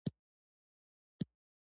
د یوه لوکس هوټل مخې ته ودریده.